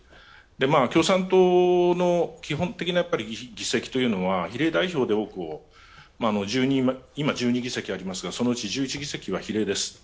共産党の基本的な議席というのは比例代表で今、１２議席ありますが、そのうち１１議席は比例です。